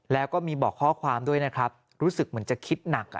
แล้วก็มีบอกข้อความด้วยนะครับรู้สึกเหมือนจะคิดหนัก